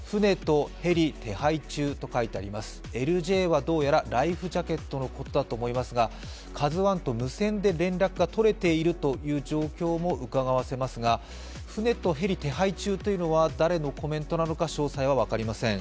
ＬＪは、どうやらライフジャケットのことだと思いますが「ＫＡＺＵⅠ」と無線で連絡が取れているという状況もうかがえますが船とヘリ手配中というのは誰のコメントなのか詳細は分かりません。